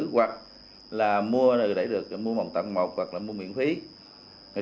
hoặc là mua để được mua một tặng một hoặc là mua miễn phí